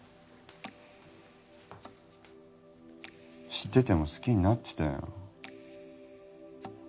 知ってても好きになってたよ